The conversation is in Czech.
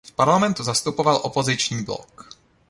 V parlamentu zastupoval opoziční blok.